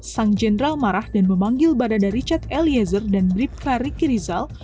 sang jendral marah dan memanggil badan dari chad eliezer dan bribka rikirizal